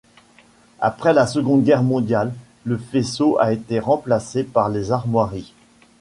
Après la Seconde Guerre mondiale, le faisceau a été remplacé par les armoiries.